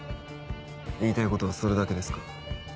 言いたいことはそれだけですか？